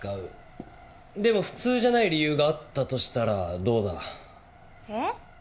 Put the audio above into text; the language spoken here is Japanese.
でも普通じゃない理由があったとしたらどうだ？えっ？